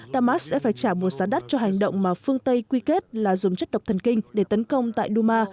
damas sẽ phải trả một giá đắt cho hành động mà phương tây quy kết là dùng chất độc thần kinh để tấn công tại duma